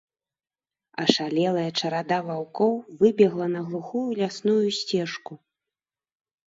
Ашалелая чарада ваўкоў выбегла на глухую лясную сцежку.